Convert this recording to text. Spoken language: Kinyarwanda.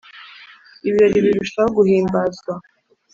ibirori birushaho guhimbazwa,